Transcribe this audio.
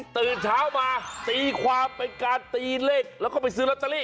ตื่นเช้ามาตีความเป็นการตีเลขแล้วก็ไปซื้อลอตเตอรี่